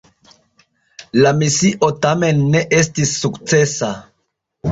La misio tamen ne estis sukcesa.